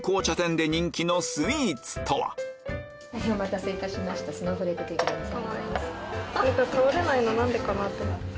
お待たせいたしましたスノーフレークケーキです。